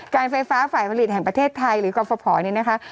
การไฟฟ้าฝ่ายผลิตแห่งประเทศไทยหรือกรฟภเนี่ยนะคะ